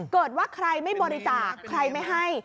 เกิดว่าใครไม่บริจาคใครไม่ให้